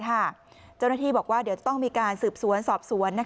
เจ้าหน้าที่บอกว่าเดี๋ยวจะต้องมีการสืบสวนสอบสวน